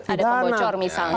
ada pembocor misalnya